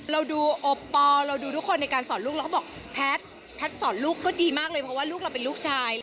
เราดูโอปอลเราดูทุกคนในการสอนลูกเราก็บอกแพทย์แพทย์สอนลูกก็ดีมากเลยเพราะว่าลูกเราเป็นลูกชาย